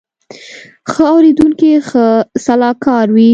ښه اورېدونکی ښه سلاکار وي